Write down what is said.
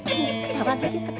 ia lagi ikut ketawa